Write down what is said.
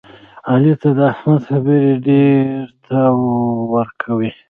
علي ته د احمد خبرې ډېرتاو ورکوي.